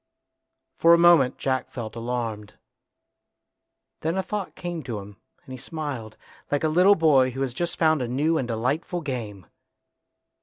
For a moment Jack felt alarmed. Then a thought came to him and he smiled, like a little boy who has just found a new and delightful game.